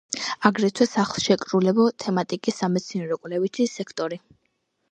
აგრეთვე სახელშეკრულებო თემატიკის სამეცნიერო-კვლევითი სექტორი.